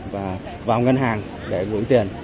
và vào ngân hàng để gửi tiền